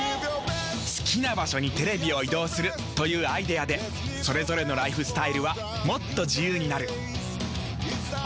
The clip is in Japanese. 好きな場所にテレビを移動するというアイデアでそれぞれのライフスタイルはもっと自由になる。